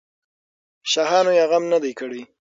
شاهانو یې غم نه دی کړی.